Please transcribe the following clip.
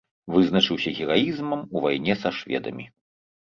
Вызначыўся гераізмам у вайне са шведамі.